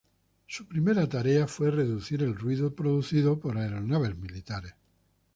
Sus primeras tareas fue reducir el ruido producido por aeronaves militares.